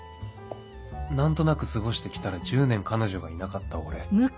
何となく過ごしてきたら１０年彼女がいなかった俺